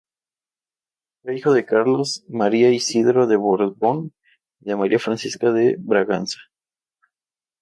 Era hijo de Carlos María Isidro de Borbón y de María Francisca de Braganza.